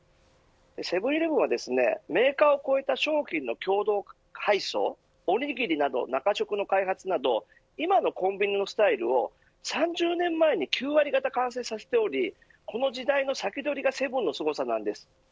セブン‐イレブンはメーカーを越えた商品の共同配送おにぎりなど中食の開発など今のコンビニのスタイルを３０年毎に９割がた完成させておりこの時代の先取りがセブンの凄さです。